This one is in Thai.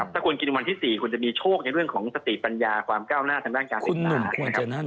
ถ้าคุณกินในวันที่๔คุณจะมีโชคในเรื่องของสติปัญญาความก้าวหน้าสังการการศาสนสิทธิ์นะครับ